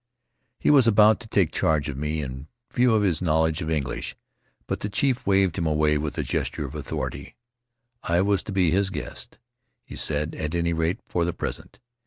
He was about to take charge of me, in view of his knowledge of English, but the chief waved him away with a gesture of authority. I was to be his guest, he said, at any rate for the present.